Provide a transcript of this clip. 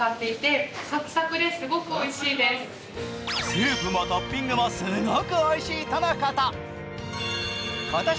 スープもトッピングもすごくおいしいとのこと。